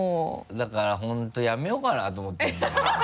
だから本当やめようかなと思ってるのよ。